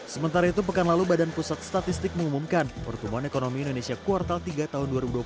sementara itu pekan lalu badan pusat statistik mengumumkan pertumbuhan ekonomi indonesia kuartal tiga tahun dua ribu dua puluh satu